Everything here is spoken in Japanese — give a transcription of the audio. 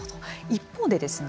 一方でですね